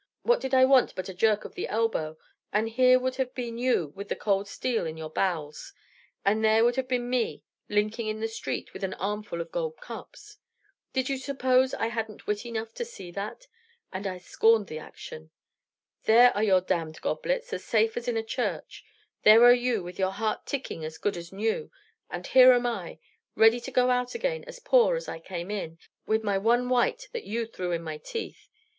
What did I want but a jerk of the elbow, and here would have been you with the cold steel in your bowels, and there would have been me, linking in the streets, with an armful of gold cups! Did you suppose I hadn't wit enough to see that? And I scorned the action. There are your damned goblets, as safe as in a church; there are you, with your heart ticking as good as new; and here am I, ready to go out again as poor as I came in, with my one white that you threw in my teeth!